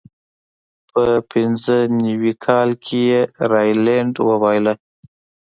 په پینځه نوي کال کې یې راینلنډ وبایله.